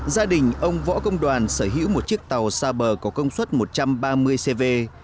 gia đình ông võ công đoàn sở hữu một chiếc tàu xa bờ có công suất một trăm ba mươi cv